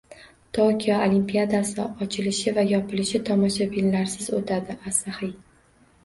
Tokio Olimpiadasi ochilishi va yopilishi tomoshabinlarsiz o‘tadi - Asahi